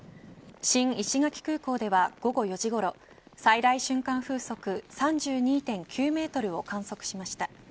新石垣空港では午後４時ごろ最大瞬間風速３２．９メートルを観測しました。